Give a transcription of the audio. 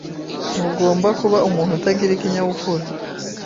Ntugomba kuba umuntu utagira ikinyabupfura.